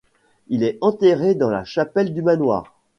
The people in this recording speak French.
Il est enterré dans la chapelle du manoir.